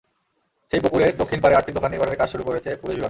সেই পুকুরের দক্ষিণ পাড়ে আটটি দোকান নির্মাণের কাজ শুরু করেছে পুলিশ বিভাগ।